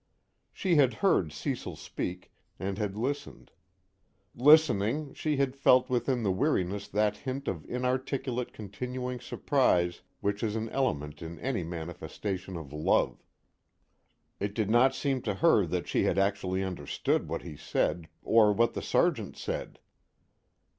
She had heard Cecil speak, and had listened. Listening, she had felt within the weariness that hint of inarticulate continuing surprise which is an element in any manifestation of love. It did not seem to her that she had actually understood what he said, or what the Sergeant said.